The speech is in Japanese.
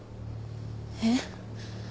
えっ？